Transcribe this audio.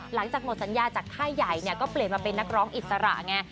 หลังจากหมดสัญญาจากค่ายใหญ่เนี่ยก็เปลี่ยนมาเป็นนักร้องอิสระไง